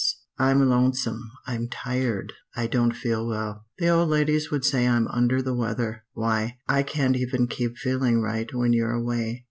'" "I'm lonesome. I'm tired. I don't feel well. The old ladies would say I'm 'under the weather.' Why, I can't even keep feeling right when you're away.